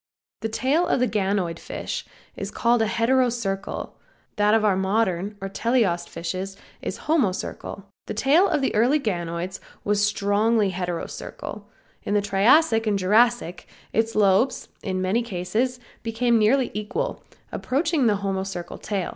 The tail of the ganoid fish is called heterocercal, that of our modern or teleost fishes is homocercal. The tail of all early ganoids was strongly heterocercal. In the Triassic and Jurassic its lobes in many cases became nearly equal, approaching the homocercal tail.